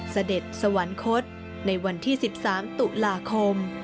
เสด็จสวรรคตในวันที่๑๓ตุลาคม